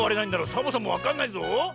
サボさんもわかんないぞ。